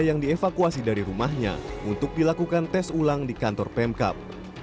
yang dievakuasi dari rumahnya untuk dilakukan tes ulang di kantor pemkap